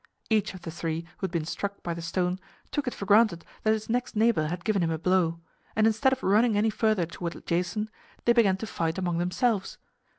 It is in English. Each of the three who had been struck by the stone took it for granted that his next neighbor had given him a blow; and instead of running any further toward Jason, they began to fight among themselves.